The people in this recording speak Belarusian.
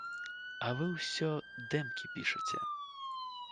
А вы ўсё дэмкі пішаце.